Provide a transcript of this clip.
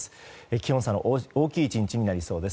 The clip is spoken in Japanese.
気温差の大きい１日になりそうです。